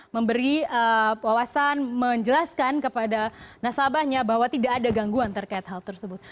memberi wawasan menjelaskan kepada nasabahnya bahwa tidak ada gangguan terkait hal tersebut